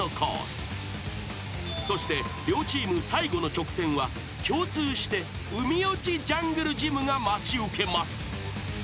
［そして両チーム最後の直線は共通して海落ちジャングルジムが待ち受けます］